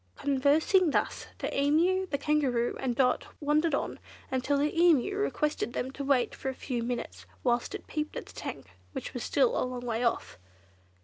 Conversing thus, the Emu, the Kangaroo, and Dot wandered on until the Emu requested them to wait for a few minutes, whilst it peeped at the tank, which was still a long way off.